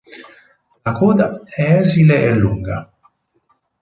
La coda è esile e lunga.